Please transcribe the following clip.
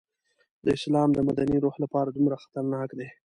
د اسلام د مدني روح لپاره دومره خطرناک دی.